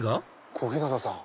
小日向さん。